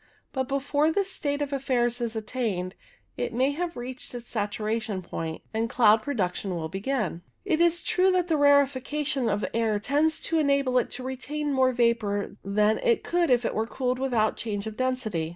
But before this state of affairs is attained it may have reached its saturation 'point, and cloud production will begin. It is true that the rarefaction of the air tends to enable it to retain more vapour than it could if it were cooled without change of density.